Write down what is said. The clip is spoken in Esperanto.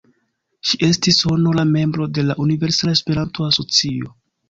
Ŝi estis honora membro de la Universala Esperanto-Asocio.